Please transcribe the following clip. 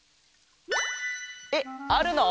えっあるの？